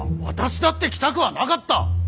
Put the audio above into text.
私だって来たくはなかった！